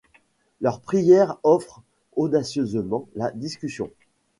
Leur prière offre audacieusement la discussion.